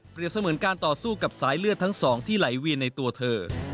เสมือนการต่อสู้กับสายเลือดทั้งสองที่ไหลเวียนในตัวเธอ